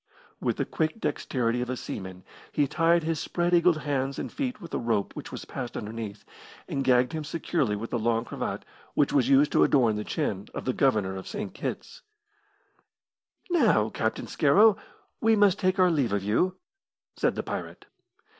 With the quick dexterity of a seaman, he tied his spread eagled hands and feet with a rope which was passed underneath, and gagged him securely with the long cravat which used to adorn the chin of the Governor of St. Kitt's. "Now, Captain Scarrow, we must take our leave of you," said the pirate.